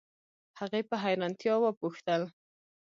هغې په حیرانتیا وپوښتل